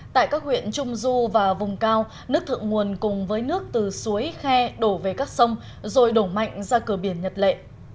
tại các huyện trung du và vùng cao nước thượng nguồn cùng với nước từ suối khe đổ về các sông rồi đổ mạnh ra cửa biển nhật lệ